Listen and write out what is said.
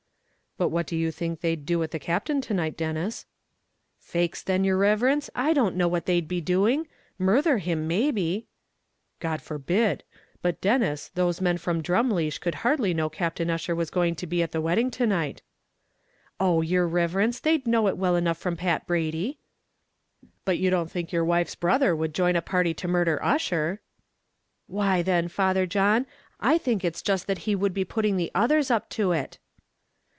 "But what do you think they'd do to the Captain to night, Denis?" "Faix then, yer riverence, I don't know what they'd be doing, murther him, maybe." "God forbid! But, Denis, those men from Drumleesh could hardly know Captain Ussher was going to be at the wedding to night." "Oh! yer riverence, they'd know it well enough from Pat Brady." "But you don't think your wife's brother would join a party to murder Ussher?" "Why then, Father John I think it's just he that would be putting the others up to it."